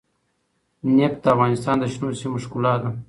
نفت د افغانستان د شنو سیمو ښکلا ده.